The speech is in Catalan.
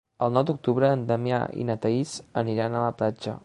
El nou d'octubre en Damià i na Thaís aniran a la platja.